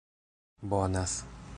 bonas